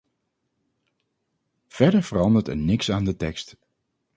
Verder verandert er niks aan de tekst.